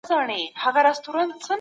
فشار د ژوند برخه ده.